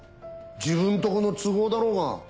自分とこの都合だろうが。